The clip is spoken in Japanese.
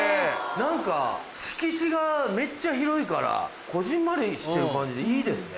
何か敷地がめっちゃ広いからこぢんまりしてる感じでいいですね。